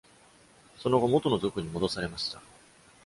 その後、元の属に戻されました。